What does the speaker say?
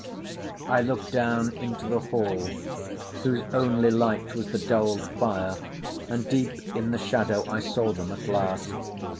I looked down into the hall whose only light was the dulled fire, and deep in the shadow I saw them at last.